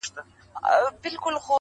مار پر ږغ کړل ویل اې خواره دهقانه-